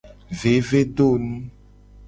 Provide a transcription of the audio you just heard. Vevedonu.